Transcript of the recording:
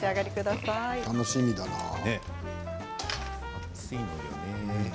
楽しみだな。